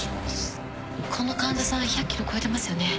この患者さん１００ｋｇ超えてますよね？